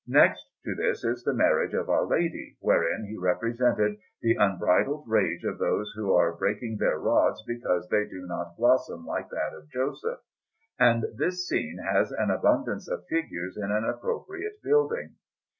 Next to this is the Marriage of Our Lady, wherein he represented the unbridled rage of those who are breaking their rods because they do not blossom like that of Joseph; and this scene has an abundance of figures in an appropriate building.